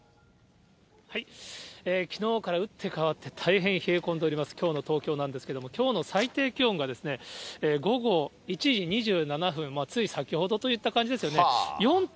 きのうから打って変わって、大変冷え込んでおります、きょうの東京なんですけども、きょうの最低気温が午後１時２７分、つい先ほどといった感じですよね。